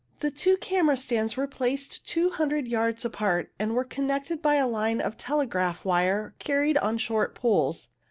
The two camera stands were placed 200 yards apart, and were connected by a line of telegraph wire carried on short poles.